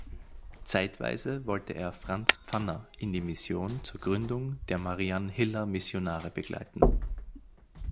Zeitweise wollte er Franz Pfanner in die Mission zur Gründung der Mariannhiller Missionare begleiten.